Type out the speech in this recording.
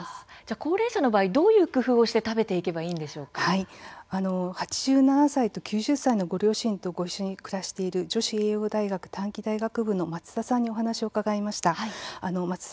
高齢者の場合どういう工夫をして８７歳と９０歳のご両親と暮らしている女子栄養大学短期大学部の松田さんにお話を伺いました。